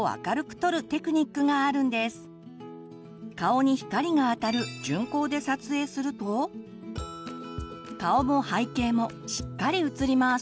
顔に光があたる順光で撮影すると顔も背景もしっかり写ります。